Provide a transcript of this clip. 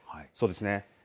そうですね。